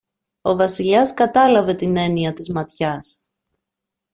Ο Βασιλιάς κατάλαβε την έννοια της ματιάς